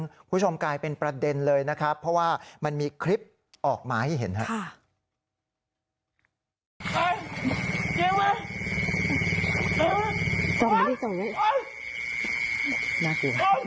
คุณผู้ชมกลายเป็นประเด็นเลยนะครับเพราะว่ามันมีคลิปออกมาให้เห็นครับ